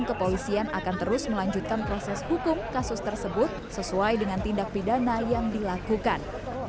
kepolisian akan terus melanjutkan proses hukum kasus tersebut sesuai dengan tindak pidana yang dilakukan